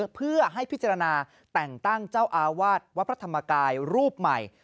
เพื่อให้พิจารณาแต่งตั้งเจ้าอาวาสวัดพระธรรมกายรูปใหม่